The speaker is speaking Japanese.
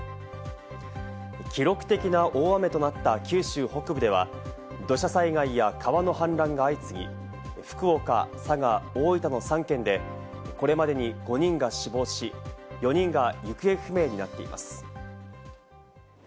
記録的な大雨となった九州北部では、土砂災害や川の氾濫が相次ぎ、福岡、佐賀、大分の３県でこれまでに５人が死亡し、４人が行方不明になっています。